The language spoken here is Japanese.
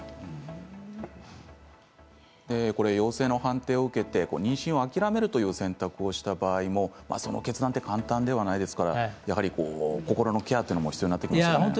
陽性の判定を受けて妊娠を諦めるという選択をした場合も、その決断は簡単ではないですから心のケアも必要になってきますね。